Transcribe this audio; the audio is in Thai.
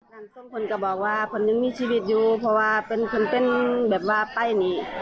ทรงคนก็บอกว่าคนยังมีชีวิตอยู่เพราะว่าเป็นคนเป็นแบบว่าป้ายนี้